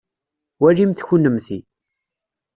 Walimt kunemti.